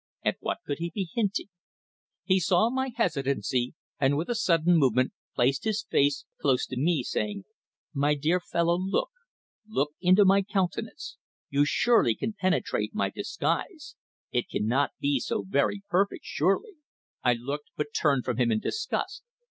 At what could he be hinting? He saw my hesitancy, and with a sudden movement placed his face close to me, saying: "My dear fellow look look into my countenance, you surely can penetrate my disguise. It cannot be so very perfect, surely." I looked, but turned from him in disgust.